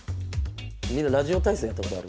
みんなラジオ体そうやったことある？